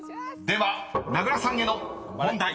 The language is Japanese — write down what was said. ［では名倉さんへの問題］